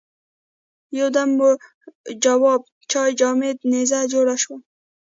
یو دم به مو جواب چای جامده نيزه جوړه شوه.